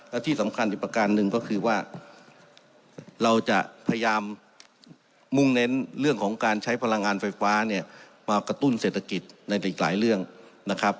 และที่สำคัญอีกประการหนึ่งก็คือว่าเราจะพยายามมุ่งเน้นเรื่องของการใช้พลังงานไฟฟ้าเนี่ยมากระตุ้นเศรษฐกิจในอีกหลายเรื่องนะครับ